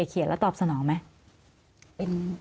เขียนแล้วตอบสนองไหม